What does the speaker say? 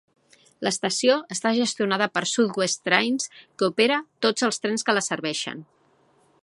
L'estació està gestionada per South West Trains, que opera tots els trens que la serveixen.